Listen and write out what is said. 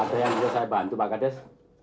apa saja yang bisa saya bantu pak kades